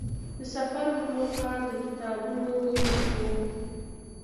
د سفر موخه د کتابونو وېش وه.